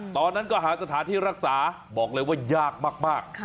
ตอนนั้นก็หาสถานที่รักษาบอกเลยว่ายากมาก